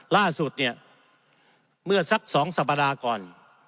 ล่าสุดเนี่ยเมื่อสัก๒สัปดาห์ก่อน